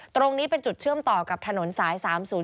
ตรงนี้เป็นจุดเชื่อมต่อกับถนนสาย๓๐๔